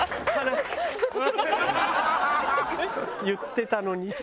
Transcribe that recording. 「言ってたのに」。